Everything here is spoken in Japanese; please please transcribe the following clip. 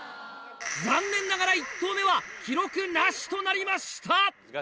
残念ながら１投目は記録なしとなりました。